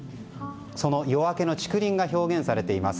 その夜明けの竹林が表現されています。